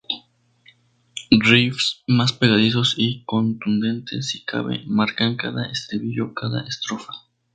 Riffs más pegadizos y contundentes si cabe, marcan cada estribillo, cada estrofa.